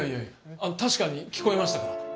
あの確かに聞こえましたから「チリーン」って。